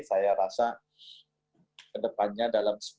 saya rasa ke depannya dalam sepanjangnya